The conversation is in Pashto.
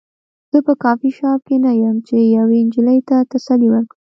زه په کافي شاپ کې نه یم چې یوې نجلۍ ته تسلي ورکړم